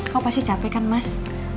kok pasti capek kan mas